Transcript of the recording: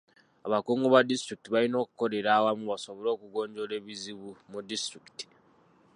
Abakungu ku disitulikiti balina okukolera awamu basobole okugonjoola ebizibu mu disitulikiti.